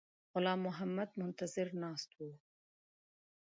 غلام محمد منتظر ناست وو.